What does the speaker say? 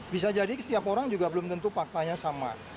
bisa jadi setiap orang juga belum tentu faktanya sama